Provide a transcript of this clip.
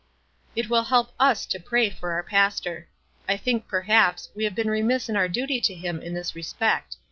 It will help us to pray for our pastor. I think, per haps, w 7 e have been remiss in our duty to him in this respect.